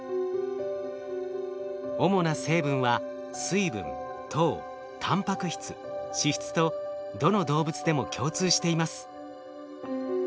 主な成分は水分糖タンパク質脂質とどの動物でも共通しています。